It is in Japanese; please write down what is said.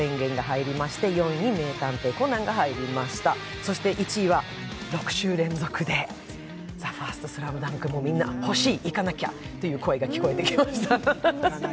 そして１位は６週連続で「ＴＨＥＦＩＲＳＴＳＬＡＭＤＵＮＫ」、みんな、欲しい、行かなきゃという声が聞こえてきました。